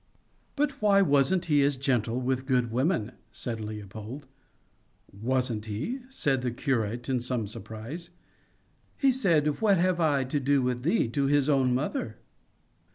"But why wasn't he as gentle with good women?" said Leopold. "Wasn't he?" said the curate in some surprise. "He said What have I to do with thee to his own mother?"